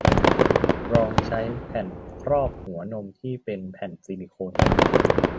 ลองใช้แผ่นครอบหัวนมที่เป็นแผ่นซิลิโคนบาง